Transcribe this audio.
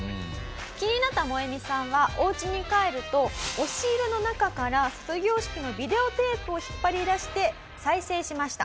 気になったモエミさんはお家に帰ると押し入れの中から卒業式のビデオテープを引っ張り出して再生しました。